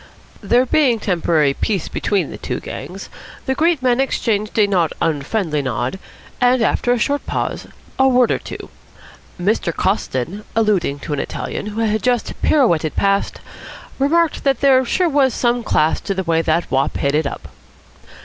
There being temporary peace between the two gangs, the great men exchanged a not unfriendly nod and, after a short pause, a word or two. Mr. Coston, alluding to an Italian who had just pirouetted past, remarked that there sure was some class to the way that wop hit it up.